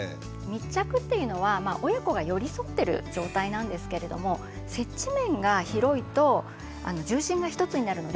密着っていうのは親子が寄り添ってる状態なんですけれども接地面が広いと重心が一つになるので軽く感じます。